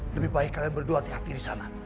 lebih baik kalian berdua hati hati disana